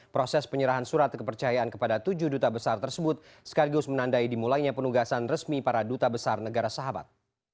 proses penyerahan surat kepercayaan kepada tujuh duta besar tersebut sekaligus menandai dimulainya penugasan resmi para duta besar negara sahabat